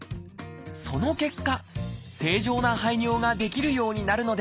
その結果正常な排尿ができるようになるのです。